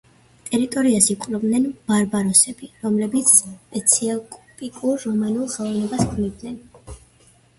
ტერიტორიას იპყრობენ ბარბაროსები, რომლებიც სპეციფიკურ რომანულ ხელოვნებას ქმნიან.